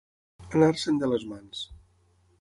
Anar-se'n de les mans.